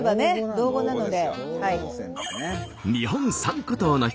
道後なので。